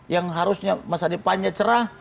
yang harusnya masa depannya cerah